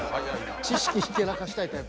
知識ひけらかしたいタイプ。